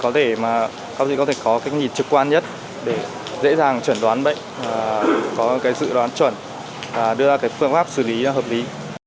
để có thể có cái nhịp trực quan nhất để dễ dàng chuẩn đoán bệnh có cái dự đoán chuẩn và đưa ra cái phương pháp xử lý hợp lý